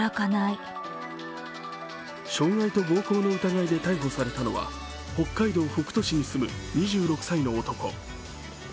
傷害と暴行の疑いで逮捕されたのは、北海道北斗市に住む２６歳の男。